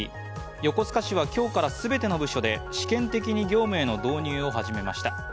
横須賀市は今日から全ての部署で試験的に業務への導入を始めました。